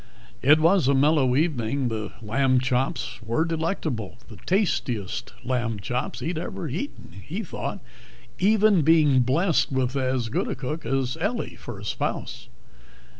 It was a mellow evening. The lamb chops were delectable the tastiest lamb chops he had ever eaten, he thought, even being blessed with as good a cook as Ellie for a spouse.